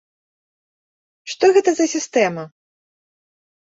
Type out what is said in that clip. Што гэта за сістэма?